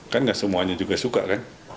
kan gak semuanya juga suka kan